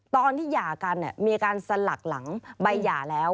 หย่ากันมีอาการสลักหลังใบหย่าแล้ว